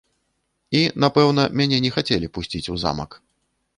І, напэўна, мяне не хацелі пусціць у замак.